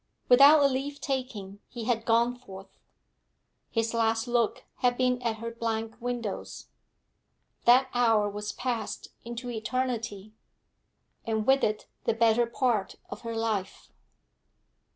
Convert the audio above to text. Without a leave taking he had gone forth; his last look had been at her blank windows. That hour was passed into eternity, and with it the better part of her life.